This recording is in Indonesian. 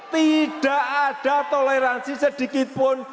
tidak ada toleransi sedikitpun